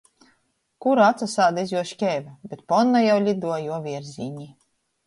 Kura atsasāda iz juo škeiva, bet ponna jau liduoja juo vierzīnī.